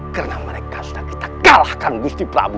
karena mereka sudah kita kalahkan gusti prabu